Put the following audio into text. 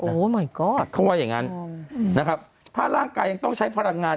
โอ้มายก๊อดเขาว่าอย่างนั้นนะครับถ้าร่างกายต้องใช้พลังงาน